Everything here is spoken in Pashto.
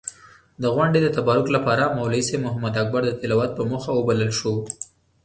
د غونډې د تبرک لپاره مولوي صېب محمداکبر د تلاوت پۀ موخه وبلل شو.